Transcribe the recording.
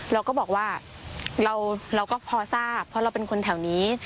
เราก็บอกว่าเราก็พอทราบเพราะเราเป็นคนแถวนี้